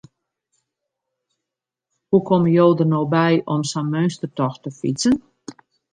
Hoe komme jo der no by om sa'n meunstertocht te fytsen?